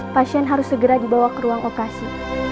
pasien harus segera dibawa ke ruang operasi